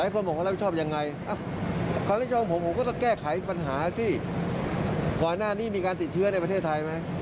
ก่อนหน้านี้มีการติดเชื้อในประเทศไทยไหม